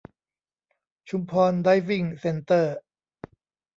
ชุมพรไดฟ์วิ่งเซ็นเตอร์